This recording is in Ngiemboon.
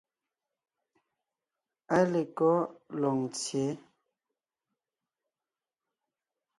Áa lekɔ́ Loŋtsyě?